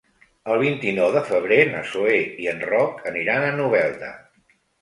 El vint-i-nou de febrer na Zoè i en Roc aniran a Novelda.